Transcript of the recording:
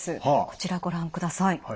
こちらご覧ください。